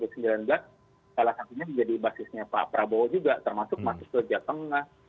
salah satunya menjadi basisnya pak prabowo juga termasuk masuk ke jawa tengah